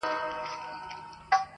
پسرلي راڅخه تېر سول، پر خزان غزل لیکمه٫